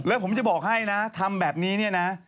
แล้วผมจะบอกให้นะทำแบบนี้เนี่ยนะ